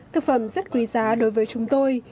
thực phẩm rất quý giá đối với chúng tôi